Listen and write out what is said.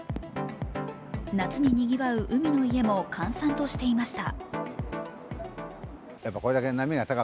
夏ににぎわう海の家も閑散としていました。